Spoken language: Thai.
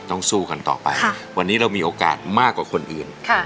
สู้กันต่อไปวันนี้เรามีโอกาสมากกว่าคนอื่น